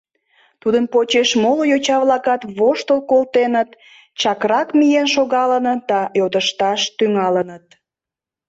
Тудын почеш моло йоча-влакат воштыл колтеныт, чакрак миен шогалыныт да йодышташ тӱҥалыныт: